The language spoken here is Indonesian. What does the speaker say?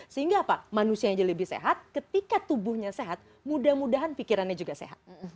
sehingga apa manusia yang jadi lebih sehat ketika tubuhnya sehat mudah mudahan pikirannya juga sehat